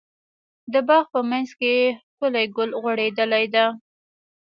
د باغ په منځ کې ښکلی ګل غوړيدلی ده.